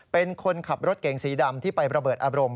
เป็นคนขับรถเก๋งสีดำที่ไประเบิดอารมณ์